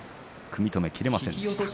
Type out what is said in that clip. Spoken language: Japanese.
組み止めきれませんでした。